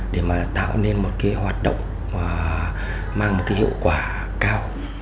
để mà tạo nên một cái hoạt động mang một cái hiệu quả cao